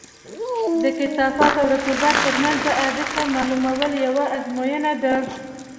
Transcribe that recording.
د کثافت او رطوبت ترمنځ اړیکه معلومول یوه ازموینه ده